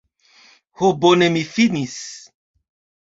Ho bone mi finis